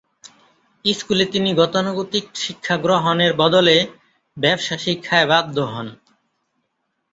স্কুলে তিনি গতানুগতিক শিক্ষা গ্রহণের বদলে ব্যবসা শিক্ষায় বাধ্য হন।